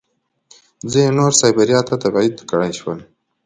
ځینې نور سایبیریا ته تبعید کړای شول